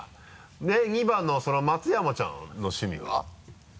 で２番のその松山ちゃんの趣味は？